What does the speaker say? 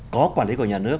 có quản lý của nhà nước